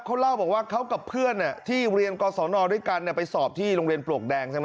เขาเล่าบอกว่าเขากับเพื่อนที่เรียนกศนด้วยกันไปสอบที่โรงเรียนปลวกแดงใช่ไหม